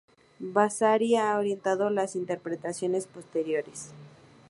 Vasari ha orientado las interpretaciones posteriores.